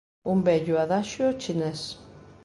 Un vello adaxio chinés.